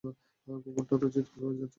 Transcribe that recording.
কুকুরটা তো চিৎকার করেই যাচ্ছে বস।